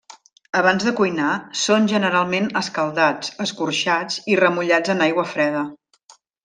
Abans de cuinar, són generalment escaldats, escorxats, i remullats en aigua freda.